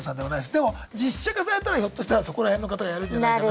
でも実写化されたらひょっとしたらそこら辺の方がやるんじゃないかな。